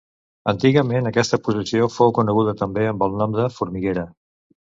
Antigament, aquesta possessió fou coneguda també amb el nom de Formiguera.